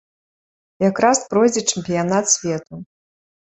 Якраз пройдзе чэмпіянат свету.